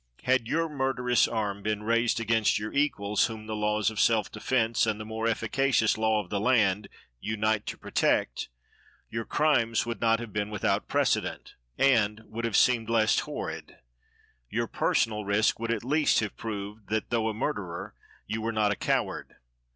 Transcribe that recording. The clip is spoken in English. Had your murderous arm been raised against your equals, whom the laws of self defence and the more efficacious law of the land unite to protect, your crimes would not have been without precedent, and would have seemed less horrid. Your personal risk would at least have proved, that though a murderer, you were not a coward.